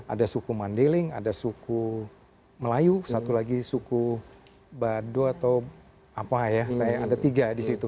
ada suku mandiling ada suku melayu satu lagi suku bado atau apa ya saya ada tiga di situ